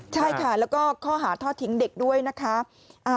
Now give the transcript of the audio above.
ใช่ค่ะแล้วก็ข้อหาทอดทิ้งเด็กด้วยนะคะ